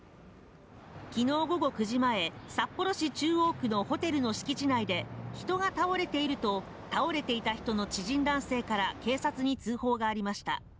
昨日午後９時前、札幌市中央区のホテルの敷地内で人が倒れていると倒れていた人の知人男性から警察に通報がありました。